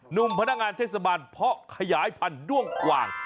หนุ่มพนักงานเทศบาลเพาะขยายพันธุ์ด้วงกว่าง